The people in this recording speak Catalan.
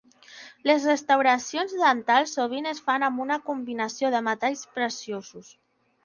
Les restauracions dentals sovint es fan amb una combinació de metalls preciosos.